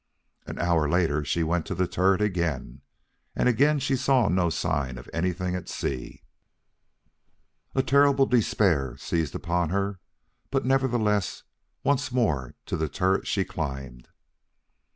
An hour later she went to the turret again, and again she saw no sign of anything at sea. A terrible despair seized upon her, but nevertheless once more to the turret she climbed.